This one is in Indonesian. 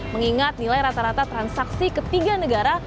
mengingat nilai rata rata transaksi ketiga negara